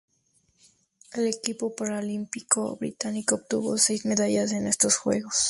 El equipo paralímpico británico obtuvo seis medallas en estos Juegos.